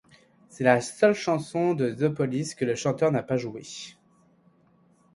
C'est la seule chanson de The Police que le chanteur n'a pas jouée.